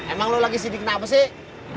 emang lo lagi sidik kenapa sih